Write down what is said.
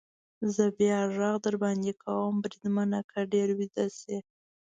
زه بیا غږ در باندې کوم، بریدمنه، که ډېر ویده شې.